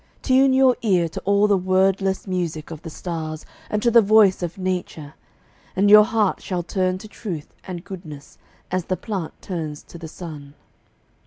Tune your ear To all the wordless music of the stars And to the voice of Nature, and your heart Shall turn to truth and goodness as the plant Turns to the sun.